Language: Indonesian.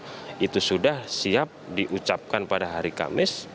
nah itu sudah siap diucapkan pada hari kamis